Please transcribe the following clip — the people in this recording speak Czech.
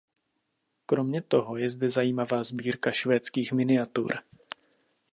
Kromě toho je zde zajímavá sbírka švédských miniatur.